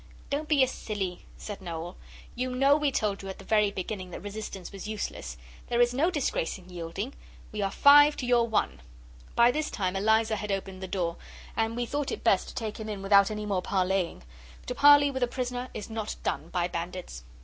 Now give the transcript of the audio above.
'Don't be a silly,' said Noel; 'you know we told you at the very beginning that resistance was useless. There is no disgrace in yielding. We are five to your one.' By this time Eliza had opened the door, and we thought it best to take him in without any more parlaying. To parley with a prisoner is not done by bandits.